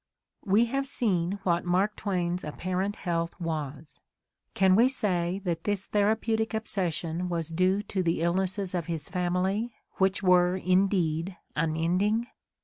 We have seen what Mark Twain's apparent health was. Can we say that this th erapeutic obsession was due to the illnesses of his family, which were, indeed, unend ing?